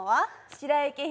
白雪姫。